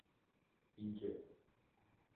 İnce.